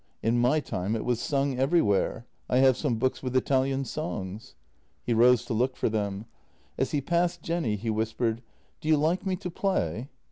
In my time it was sung everywhere. I have some books with Italian songs." He rose to look for them; as he passed Jenny he whispered: " Do you like me to play?